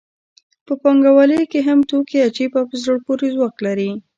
په پانګوالۍ کې هم توکي عجیب او په زړه پورې ځواک لري